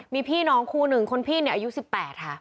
มีพี่น้องคู่หนึ่งคนพี่เนี่ยอายุ๑๘ค่ะ